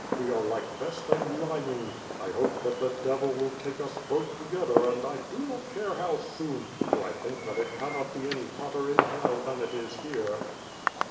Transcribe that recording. We are like vest and lining. I hope that the devil will take us both together and I do not care how soon, for I think that it cannot be any hotter in hell than it is here.